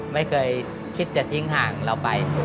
ไม่เคยคิดจะทิ้งห่างเราไป